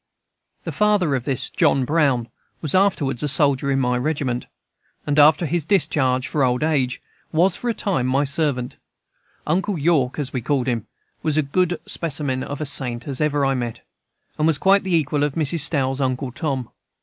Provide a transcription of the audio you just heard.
The father of this John Brown was afterwards a soldier in my regiment; and, after his discharge for old age, was, for a time, my servant. "Uncle York," as we called him, was as good a specimen of a saint as I have ever met, and was quite the equal of Mrs. Stowe's "Uncle Tom."